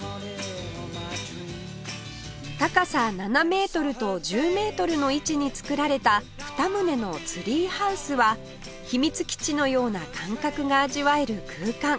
高さ７メートルと１０メートルの位置に造られた２棟のツリーハウスは秘密基地のような感覚が味わえる空間